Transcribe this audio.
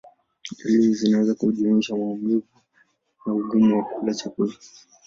Dalili zinaweza kujumuisha maumivu na ugumu wa kula chakula.